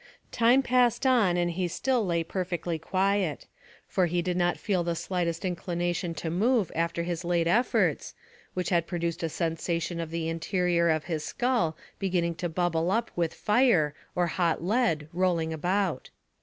Time passed on and he still lay perfectly quiet, for he did not feel the slightest inclination to move after his late efforts, which had produced a sensation of the interior of his skull beginning to bubble up with fire or hot lead rolling about.